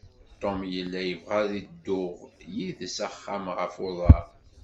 Tom yella yebɣa ad dduɣ yid-s s axxam ɣef uḍar.